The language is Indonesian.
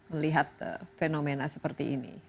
melihat fenomena seperti ini